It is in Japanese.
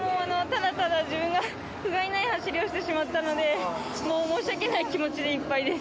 自分がふがいない走りをしてしまったので申し訳ない気持ちでいっぱいです。